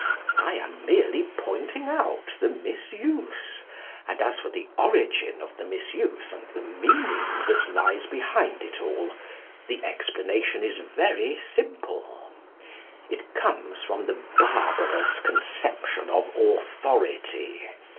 I am merely pointing out the misuse; and as for the origin of the misuse and the meaning that lies behind it all, the explanation is very simple. It comes from the barbarous conception of authority.